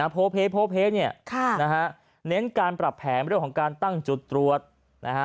โพลด์เทสโพลด์เทสเนี่ยเน้นการปรับแขนใบเรื่องของการตั้งจุดตรวจ